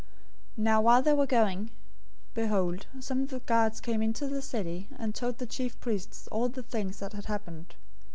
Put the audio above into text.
028:011 Now while they were going, behold, some of the guards came into the city, and told the chief priests all the things that had happened.